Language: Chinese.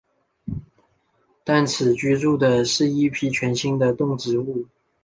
但此居住的是一批全新的动植物。